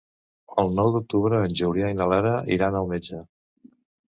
El nou d'octubre en Julià i na Lara iran al metge.